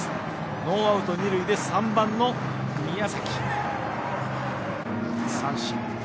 ノーアウト、二塁で３番の宮崎。